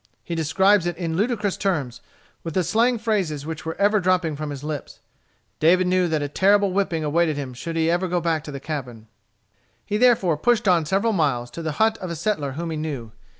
He describes it in ludicrous terms, with the slang phrases which were ever dropping from his lips. David knew that a terrible whipping awaited him should he go back to the cabin. He therefore pushed on several miles, to the hut of a settler whom he knew.